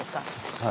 はい。